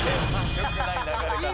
よくない流れだな。